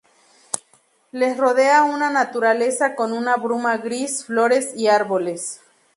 Les rodea una naturaleza con una bruma gris, flores y árboles.